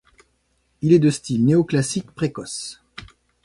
Il est de style néoclassique précoce.